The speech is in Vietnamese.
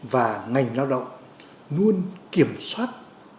và ngành lao động luôn kiểm soát